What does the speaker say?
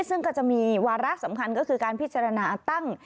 ซึ่งก็จะมีวาระสำคัญก็คือการพิจารณาตั้ง